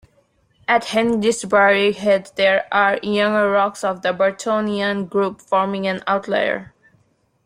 At Hengistbury Head there are younger rocks of the Bartonian group, forming an outlier.